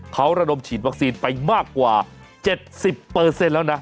เขาระดมฉีดวัคซีนไปมากกว่า๗๐เปอร์เซ็นต์แล้วนะ